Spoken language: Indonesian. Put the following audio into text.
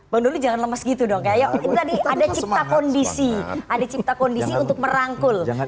menuju jangan lemes gitu dong kayak ada kondisi ada cipta kondisi untuk merangkul jangan